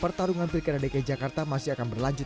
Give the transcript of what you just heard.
pertarungan pembangunan dki jakarta masih akan berlangsung